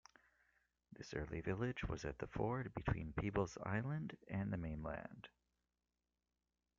This early village was at the ford between Peebles Island and the mainland.